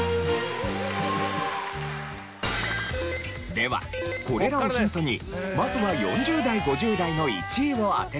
ではこれらをヒントにまずは４０代５０代の１位を当てて頂きます。